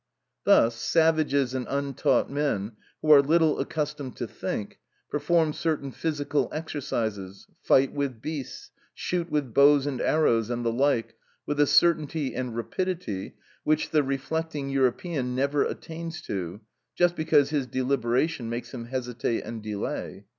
Thus savages and untaught men, who are little accustomed to think, perform certain physical exercises, fight with beasts, shoot with bows and arrows and the like, with a certainty and rapidity which the reflecting European never attains to, just because his deliberation makes him hesitate and delay.